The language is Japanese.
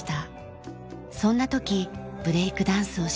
そんな時ブレイクダンスを知りました。